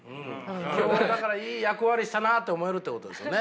今日はだからいい役割したなって思えるってことですね。